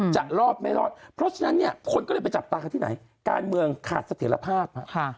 จะรอดไม่รอดเพราะฉะนั้นเนี่ยคนก็เลยไปจับตากันที่ไหนการเมืองขาดเสถียรภาพ